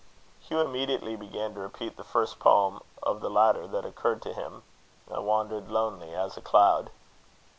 Hugh immediately began to repeat the first poem of the latter that occurred to him: "I wandered lonely as a cloud."